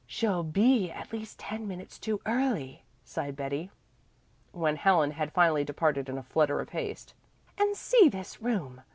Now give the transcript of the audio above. "She'll be at least ten minutes too early," sighed Betty, when Helen had finally departed in a flutter of haste. "And see this room!